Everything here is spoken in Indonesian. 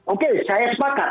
oke saya sepakat